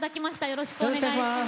よろしくお願いします。